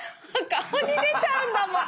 顔に出ちゃうんだもん。